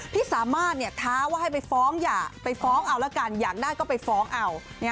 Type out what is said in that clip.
ที่สามารถท้าว่าให้ไปฟ้องอย่าไปฟ้องเอาละกันอยากได้ก็ไปฟ้องเอา